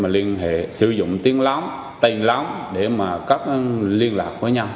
liên hệ sử dụng tiếng lóng tên lóng để mà cắt liên lạc với nhau